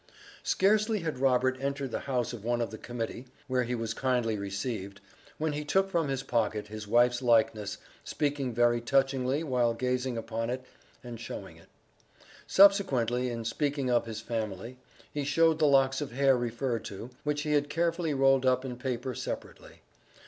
Scarcely had Robert entered the house of one of the Committee, where he was kindly received, when he took from his pocket his wife's likeness, speaking very touchingly while gazing upon it and showing it. Subsequently, in speaking of his family, he showed the locks of hair referred to, which he had carefully rolled up in paper separately.